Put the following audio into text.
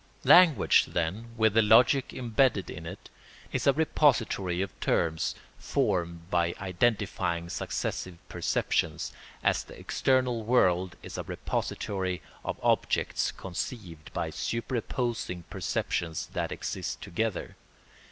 ] Language, then, with the logic imbedded in it, is a repository of terms formed by identifying successive perceptions, as the external world is a repository of objects conceived by superposing perceptions that exist together.